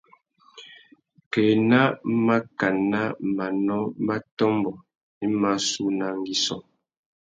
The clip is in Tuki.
Kā ena màkánà manô mà tômbô i mà sú una angüissô.